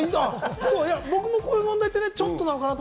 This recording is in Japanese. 僕もこういう問題って、ちょっとなのかなと。